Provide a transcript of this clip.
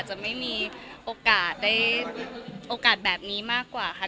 จะไม่มีโอกาสได้โอกาสแบบนี้มากกว่าค่ะ